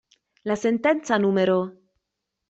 La sentenza n.